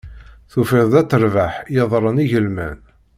Tufiḍ-d at rbaḥ ɣeḍlen igelman.